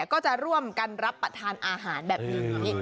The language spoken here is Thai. ก็จะร่วมกันรับประทานอาหารแบบนี้